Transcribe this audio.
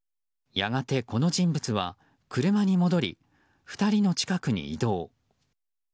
やがて、この人物は車に戻り２人の近くに移動。